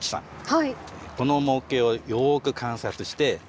はい。